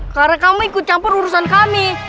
karena kamu ikut campur urusan kami